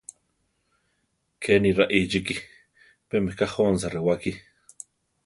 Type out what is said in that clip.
Kéni raíchiki; pé meká jónsa rewáki.